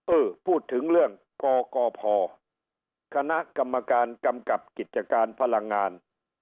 เออพูดถึงเรื่องกบคณะคกมกรรภ์กิจการพลังงาน